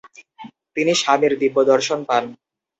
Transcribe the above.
তিনি স্বামীর দিব্যদর্শন পান।